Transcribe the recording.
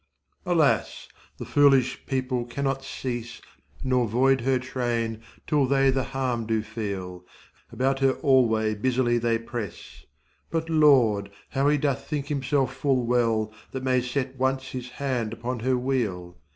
Alas! the foolish people cannot cease, Nor 'void9 her train10 till they the harm do feel, About her alway busily they press; But Lord! how he doth think himself full well That may set once his hand upon her wheel.